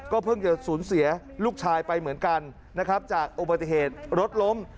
เพิ่งจะสูญเสียลูกชายไปเหมือนกันนะครับจากอุบัติเหตุรถล้ม